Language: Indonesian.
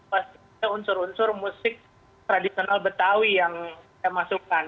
pasti ada unsur unsur musik tradisional betawi yang saya masukkan